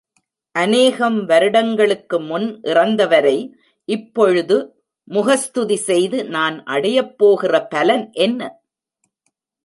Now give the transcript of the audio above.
அனேகம் வருடங்களுக்கு முன் இறந்தவரை இப்பொழுது முகஸ்துதி செய்து நான் அடையப்போகிற பலன் என்ன?